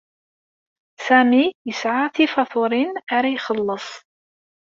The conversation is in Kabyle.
Sami yesɛa tifatuṛin ara ixelleṣ.